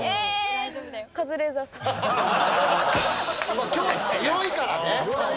まあ今日強いからね。